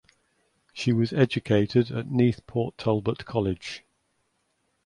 She was educated at Neath Port Talbot College.